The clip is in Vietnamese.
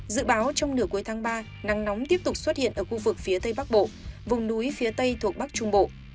dự báo trong nửa cuối tháng ba nắng nóng tiếp tục xuất hiện ở khu vực phía tây bắc bộ vùng núi phía tây thuộc bắc trung bộ